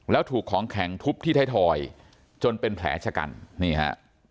แล้วถูกของแข็งทุบที่ไทยทอยจนเป็นแผลชะกันนี่ฮะ